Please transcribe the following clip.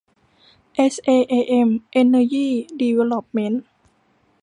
เอสเอเอเอ็ม เอ็นเนอร์ยี่ ดีเวลลอปเมนท์